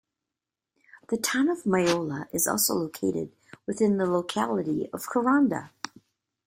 The town of Myola is also located within the locality of Kuranda.